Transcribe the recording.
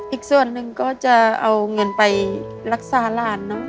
อีกส่วนหนึ่งก็จะเอาเงินไปรักษาหลานเนอะ